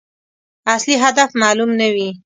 اصلي هدف معلوم نه وي.